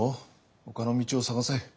ほかの道を探せ。